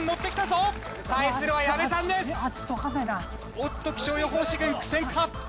おっと気象予報士軍苦戦か？